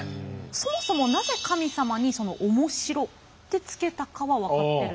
そもそもなぜ神様に面白って付けたかは分かってるんですか？